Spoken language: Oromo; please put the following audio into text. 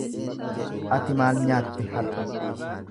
Ati maal nyaatte har’a?